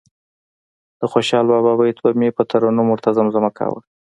د خوشال بابا بیت به مې په ترنم ورته زمزمه کاوه.